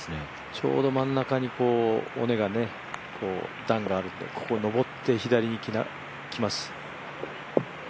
ちょうど真ん中に尾根、段があるというここを上って左に来ます。